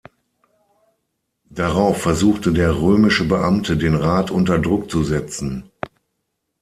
Darauf versuchte der römische Beamte den Rat unter Druck zu setzen.